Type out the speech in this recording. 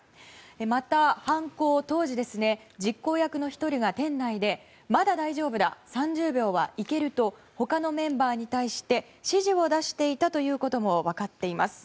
また、犯行当時実行役の１人が店内でまだ大丈夫だ、３０秒はいけると他のメンバーに対して指示を出していたということも分かっています。